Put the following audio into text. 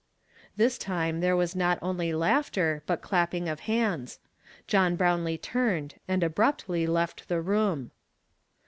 " This time there was not only laughter, but clapi)ing of hands. John lirownlee turned and abruptly left the room.